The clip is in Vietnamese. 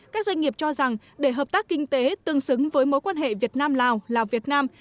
các doanh nghiệp cho rằng để hợp tác kinh tế tương xứng với mối quan hệ việt nam lào lào việt nam